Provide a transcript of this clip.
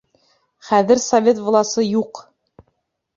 Хәҙер Совет власы юҡ!